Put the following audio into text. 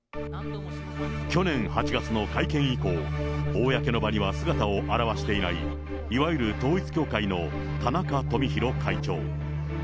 去年８月の会見以降、公の場には姿を現していない、いわゆる統一教会の田中富広会長。